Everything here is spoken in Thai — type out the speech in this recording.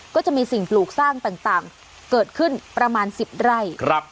ก็จะมีสิ่งปลูกสร้างต่างเกิดขึ้นประมาณ๑๐ไร่